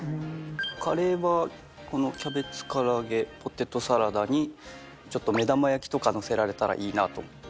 カレーはこのキャベツからあげポテトサラダにちょっと目玉焼きとかのせられたらいいなと思って。